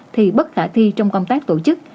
thì bất khả thi trong công tác tổ chức